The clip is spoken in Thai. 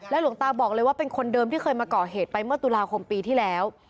หลวงตาบอกเลยว่าเป็นคนเดิมที่เคยมาก่อเหตุไปเมื่อตุลาคมปีที่แล้ว